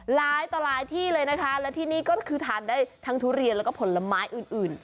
หลายต่อหลายที่เลยนะคะและที่นี่ก็คือทานได้ทั้งทุเรียนแล้วก็ผลไม้อื่น